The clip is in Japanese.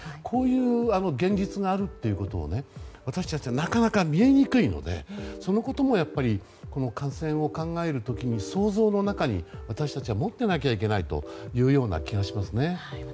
こういう現実があるということを私たちはなかなか現実が見えにくいのでそのこともやっぱり感染を考える時の想像の中に私たちは持っていないといけないという気がしますね。